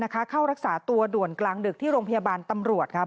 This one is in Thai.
เข้ารักษาตัวด่วนกลางดึกที่โรงพยาบาลตำรวจค่ะ